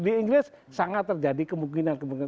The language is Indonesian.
di inggris sangat terjadi kemungkinan kemungkinan